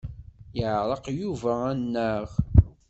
Yeɛreq Yuba anaɣ?